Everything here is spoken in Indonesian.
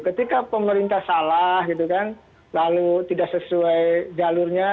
ketika pemerintah salah lalu tidak sesuai jalurnya